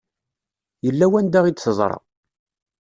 Yella wanda i d-teḍra.